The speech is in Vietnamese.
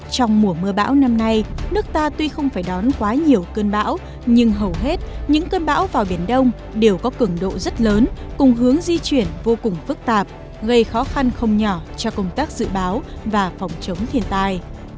trong mùa mưa bão năm nay nước ta tuy không phải đón quá nhiều cơn bão nhưng hầu hết những cơn bão vào biển đông đều có cường độ rất lớn cùng hướng di chuyển vô cùng phức tạp gây khó khăn không nhỏ cho công tác dự báo và phòng chống thiên tai